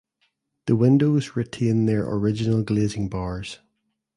The windows retain their original glazing bars.